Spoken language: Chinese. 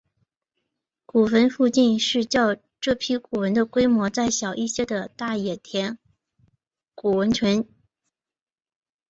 古坟附近是较这批古坟的规模再小一些的大野田古坟群。